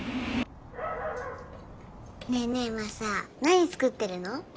ねえねえマサ何作ってるの？